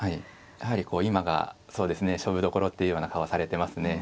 やはりこう今がそうですね勝負どころっていうような顔されてますね。